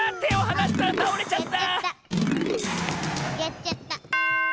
やっちゃった。